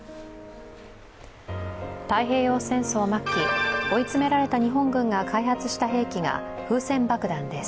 太平洋戦争末期、追い詰められた日本軍が開発した兵器が風船爆弾です。